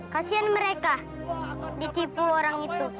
kasian mereka ditipu orang itu